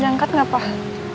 dia angkat gak pak